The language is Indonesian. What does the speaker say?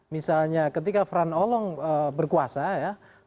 misalnya ketika fran olong berkuasa ya